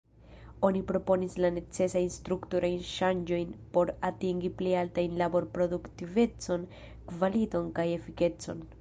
Oni proponis la necesajn strukturajn ŝanĝojn por atingi pli altajn laborproduktivecon, kvaliton kaj efikecon.